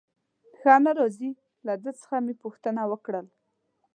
ښه نه راځي، له ده څخه مې پوښتنه وکړل.